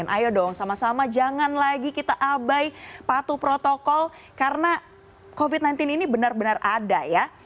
ayo dong sama sama jangan lagi kita abai patuh protokol karena covid sembilan belas ini benar benar ada ya